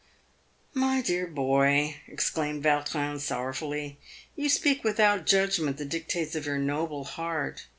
"My dear boy," exclaimed Vautrin, sorrowfully, "you speak without judgment the dictates of your noble heart.